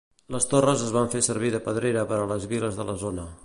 Les torres es van fer servir de pedrera per a les viles de la zona.